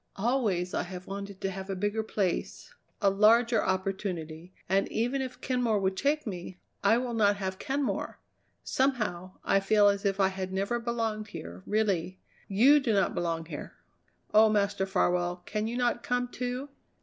Always I have wanted to have a bigger place, a larger opportunity, and even if Kenmore would take me, I will not have Kenmore! Somehow I feel as if I had never belonged here, really. You do not belong here. Oh, Master Farwell, can you not come, too?"